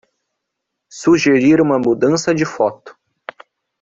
Sugerir uma mudança de foto